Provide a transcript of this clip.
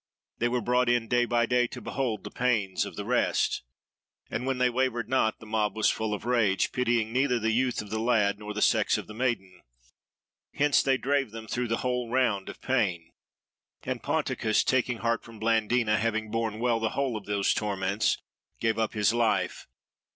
They were brought in day by day to behold the pains of the rest. And when they wavered not, the mob was full of rage; pitying neither the youth of the lad, nor the sex of the maiden. Hence, they drave them through the whole round of pain. And Ponticus, taking heart from Blandina, having borne well the whole of those torments, gave up his life.